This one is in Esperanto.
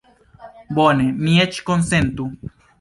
Bone, mi eĉ konsentu.